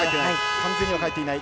完全には返っていない。